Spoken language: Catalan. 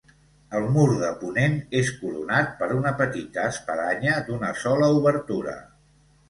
El mur de ponent és coronat per una petita espadanya d'una sola obertura.